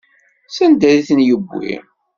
Sanda ay ten-yewwi?